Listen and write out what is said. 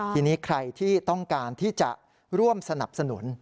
ทีนี้ใครที่ต้องการที่จะร่วมสนับสนุน